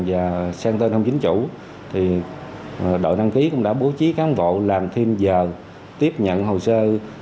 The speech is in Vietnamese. và sang tên không chính chủ thì đội đăng ký cũng đã bố trí cán bộ làm thêm giờ tiếp nhận hồ sơ